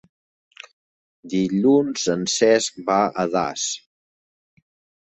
Dilluns en Cesc va a Das.